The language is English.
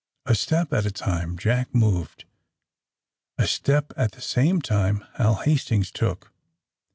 A step at a time Jack moved. A step at the same time Hal Hastings took.